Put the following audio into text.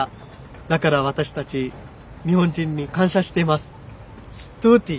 だから私たち日本人に感謝しています。